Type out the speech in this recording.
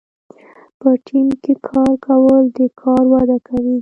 په ټیم کې کار کول د کار وده کوي.